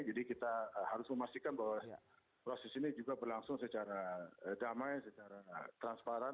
jadi kita harus memastikan bahwa proses ini juga berlangsung secara damai secara transparan